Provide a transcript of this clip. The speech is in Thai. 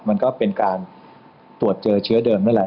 มันก็เป็นการตรวจเจอเชื้อเดิมนั่นแหละ